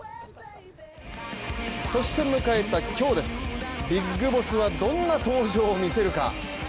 そして迎えた今日ですね、ビッグボスはどんな登場を見せるか。